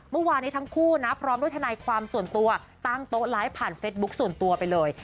เมื่อวานนี้ทั้งคู่นะพร้อมด้วยทนายความส่วนตัวตั้งโต๊ะไลฟ์ผ่านเฟซบุ๊คส่วนตัวไปเลย